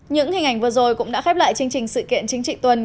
những hình ảnh vừa rồi cũng đã khép lại chương trình sự kiện chính trị tuần